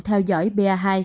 theo dõi ba hai